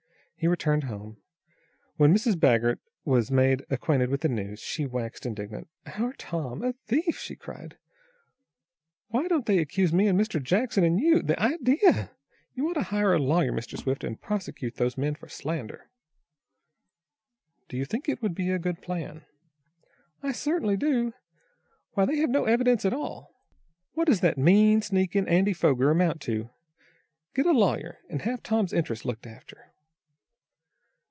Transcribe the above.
He returned hone. When Mrs. Baggert was made acquainted with the news, she waxed indignant. "Our Tom a thief!" she cried. "Why don't they accuse me and Mr. Jackson and you? The idea! You ought to hire a lawyer, Mr. Swift, and prosecute those men for slander." "Do you think it would be a good plan?" "I certainly do. Why they have no evidence at all! What does that mean, sneaking Andy Foger amount to? Get a lawyer, and have Tom's interests looked after."